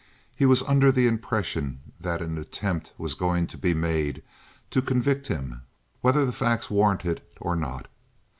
He was under the impression that an attempt was going to be made to convict him whether the facts warranted it or not.